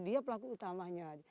dia pelaku utamanya